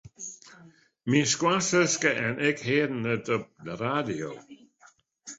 Myn skoansuske en ik hearden it op de radio.